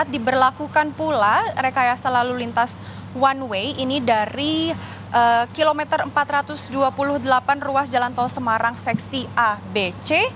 diberlakukan pula rekayasa lalu lintas one way ini dari kilometer empat ratus dua puluh delapan ruas jalan tol semarang seksi a b c